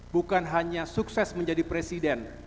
bukan hanya sukses menjadi presiden